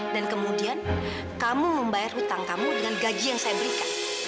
dan kemudian kamu membayar utang kamu dengan gaji yang saya berikan